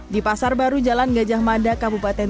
di pasar baru jalan gajah mada kabupaten